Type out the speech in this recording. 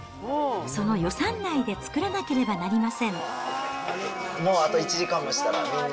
その予算内で作らなければなりま